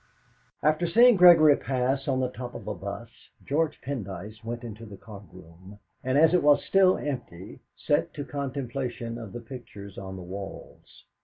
After seeing Gregory pass on the top of a bus, George Pendyce went into the card room, and as it was still empty, set to contemplation of the pictures on the walls.